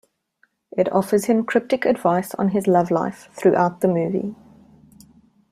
It offers him cryptic advice on his love life throughout the movie.